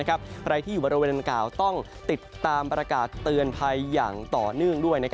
ใครที่อยู่บริเวณดังกล่าวต้องติดตามประกาศเตือนภัยอย่างต่อเนื่องด้วย